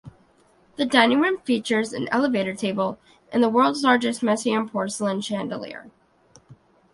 The dining room features an elevator table and the world's largest Meissen porcelain chandelier.